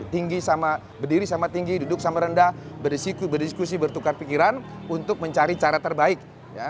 tinggi sama berdiri sama tinggi duduk sama rendah berdiskusi bertukar pikiran untuk mencari cara terbaik